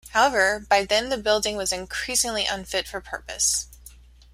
However by then the building was increasingly unfit for purpose.